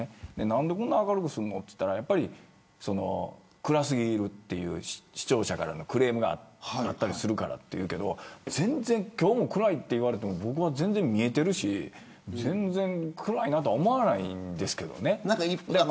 何でこんなに明るくするのと言ったらやっぱり暗すぎるっていう視聴者からのクレームがあったりするからっていうけど今日も暗いって言われても僕は全然見えているし全然暗いなとは思わないんですけどね。